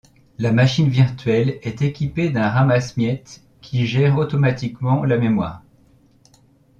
La machine virtuelle est équipée d'un ramasse-miettes qui gère automatiquement la mémoire.